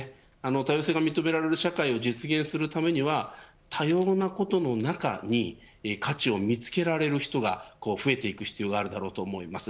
多様性が認められる社会を実現するためには多様なことの中に価値を見つけられる人が増えていく必要があると思います。